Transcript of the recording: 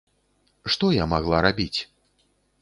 Што я магла рабіць?